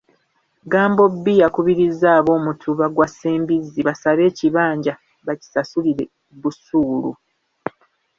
Gambobbi yakubirizza ab'omutuba gwa Ssembizzi basabe ekibanja bakisasulire busuulu.